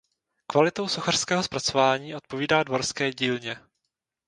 Kvalitou sochařského zpracování odpovídá dvorské dílně.